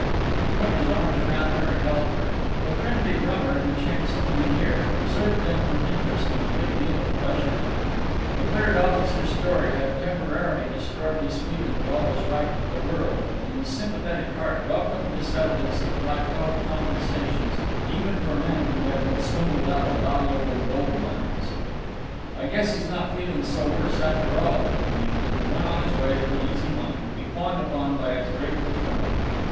He put his arms round her and held her. The friendly drummer, who chanced to be near, observed them with interest and a good deal of pleasure. The third officer's story had temporarily destroyed his feeling that all was right with the world, and his sympathetic heart welcomed this evidence that life held compensations even for men who had been swindled out of valuable gold mines. "I guess he's not feeling so worse, after all," he mused, and went on his way with an easy mind to be fawned upon by his grateful firm.